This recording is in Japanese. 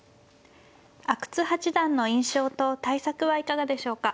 阿久津八段の印象と対策はいかがでしょうか。